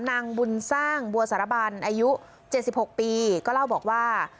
นางบุญสร้างบัวสารบันอายุ๗๖ปีก็เล่าบอกว่า